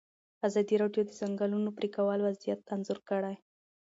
ازادي راډیو د د ځنګلونو پرېکول وضعیت انځور کړی.